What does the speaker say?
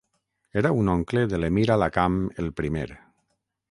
Era un oncle de l'emir al-Hakam el primer.